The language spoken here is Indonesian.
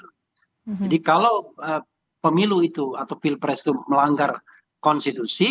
jadi kalau pemilu itu atau pilpres itu melanggar konstitusi